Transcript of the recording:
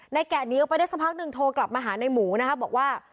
แกะหนีออกไปได้สักพักหนึ่งโทรกลับมาหาในหมูนะคะบอกว่า